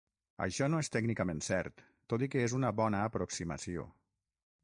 Això no és tècnicament cert, tot i que és una bona aproximació.